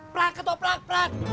perak atau perak perak